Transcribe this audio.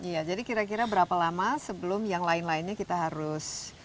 iya jadi kira kira berapa lama sebelum yang lain lainnya kita harus